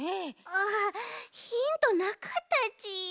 ああヒントなかったち。